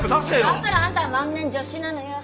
だからあんたは万年助手なのよ。